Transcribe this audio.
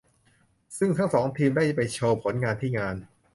ซึ่งทั้งสองทีมได้ไปโชว์ผลงานที่งาน